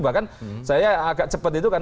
bahkan saya agak cepat itu kan